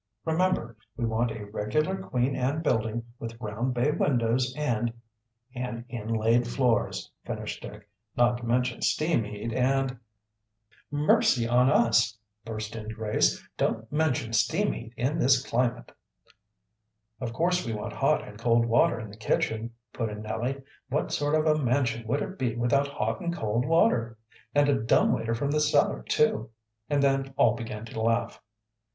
"Remember, we want a regular Queen Anne building, with round bay windows, and " "And inlaid floors," finished Dick, "not to mention steam heat, and " "Mercy on us!" burst in Grace. "Don't mention steam heat in this climate." "Of course we want hot and cold water in the kitchen," put in Nellie. "What sort of a mansion would it be without hot and cold water, and a dumb waiter from the cellar, too," and then all began to laugh.